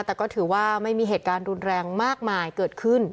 แต่ก็ถือว่าไม่มีเหตุการณ์รุนแรงมากมายเกิดขึ้น